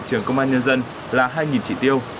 trường công an nhân dân là hai trí tiêu